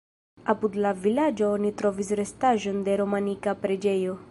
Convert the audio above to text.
Apud la vilaĝo oni trovis restaĵon de romanika preĝejo.